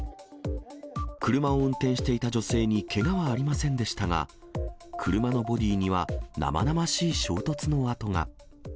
車を運転していた女性にけがはありませんでしたが、車のボディには、生々しい衝突の跡が。